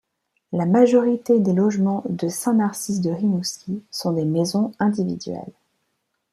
La majorité des logements de Saint-Narcisse-de-Rimouski sont des maisons individuelles.